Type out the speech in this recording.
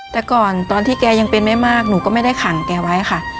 แต่ก่อนตอนที่แกยังเป็นไม่มากหนูก็ไม่ได้ขังแกไว้ค่ะ